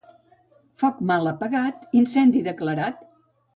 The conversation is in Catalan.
Foc mal apagat, incendi declarat.